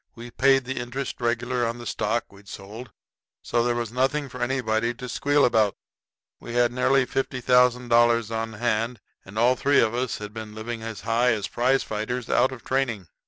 We paid the interest regular on the stock we'd sold, so there was nothing for anybody to squeal about. We had nearly $50,000 on hand and all three of us had been living as high as prize fighters out of training.